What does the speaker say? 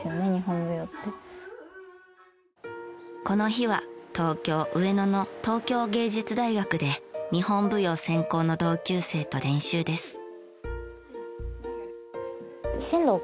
この日は東京上野の東京藝術大学で日本舞踊専攻の同級生と練習です。